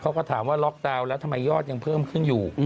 เขาก็ถามว่าล็อกดาวน์แล้วทำไมยอดยังเพิ่มขึ้นอยู่